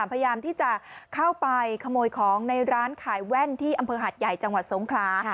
พยายามที่จะเข้าไปขโมยของในร้านขายแว่นที่อำเภอหัดใหญ่จังหวัดสงขลา